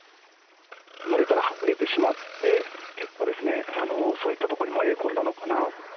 群れからはぐれてしまって、結果ですね、そういったところに迷い込んだのかなぁ。